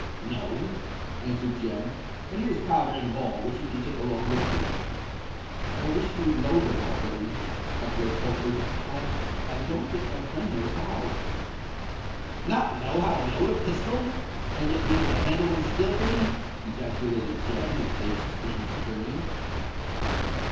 "No," answered Jem. "But here's powder and ball, which you can take along with you." "I wish you would load them all ready," observed Holford. "I—I don't think my friend knows how." "Not know how to load a pistol—and yet be able to handle one skilfully!" ejaculated Jem, his vague suspicions returning.